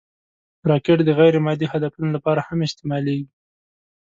راکټ د غیر مادي هدفونو لپاره هم استعمالېږي